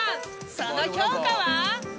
［その評価は？］